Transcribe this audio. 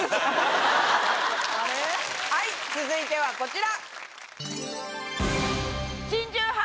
はい続いてはこちら！